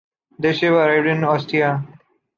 The ship arrived in Ostia.